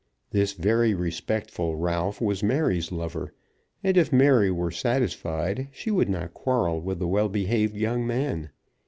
This very respectful Ralph was Mary's lover, and if Mary were satisfied, she would not quarrel with the well behaved young man.